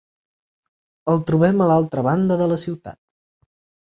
El trobem a l'altra banda de la ciutat.